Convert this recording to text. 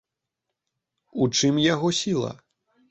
У чым яго сіла?